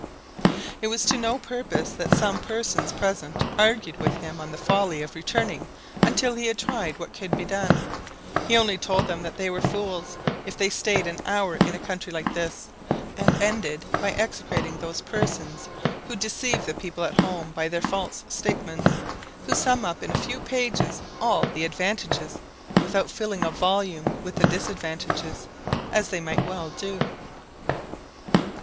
It was to no purpose that some persons present argued with him on the folly of returning until he had tried what could be done: he only told them they were fools if they staid an hour in a country like this; and ended by execrating those persons who deceived the people at home by their false statements, who sum up in a few pages all the advantages, without filling a volume with the disadvantages, as they might well do.